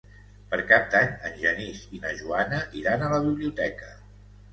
Per Cap d'Any en Genís i na Joana iran a la biblioteca.